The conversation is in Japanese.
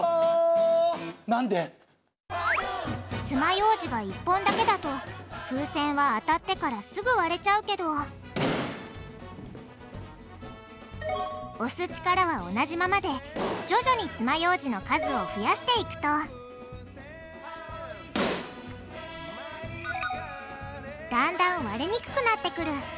つまようじが１本だけだと風船は当たってからすぐ割れちゃうけど押す力は同じままで徐々につまようじの数を増やしていくとだんだん割れにくくなってくる。